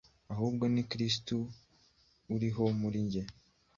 ahubwo ni Kristo uriho muri jye.”